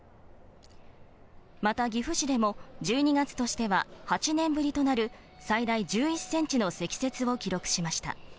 また、岐阜市でも１２月としては８年ぶりとなる最大１１センチの積雪を記録しました。